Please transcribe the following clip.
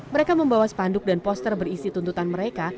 mereka membawa spanduk dan poster berisi tuntutan mereka